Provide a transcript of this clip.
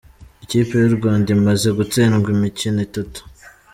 Ikipe y’u Rwanda imaze gutsindwa imikino itatu